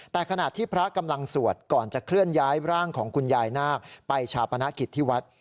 แต่ขณะที่พระกำลังสวดก่อนจะเคลื่อนย้ายร่างของคุณยายนาคไปชาปนกิจที่วัด